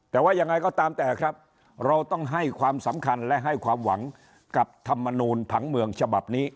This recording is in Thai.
แต่ว่ายังไงก็ตามแต่ครับเราต้องให้ความสำคัญและให้ความหวังกับธรรมนูลผังเมืองฉบับนี้